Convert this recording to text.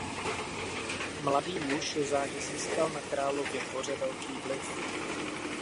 Mladý muž záhy získal na králově dvoře velký vliv.